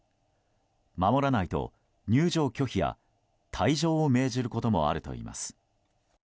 守らないと、入場拒否や退場を命じることもあるといいます。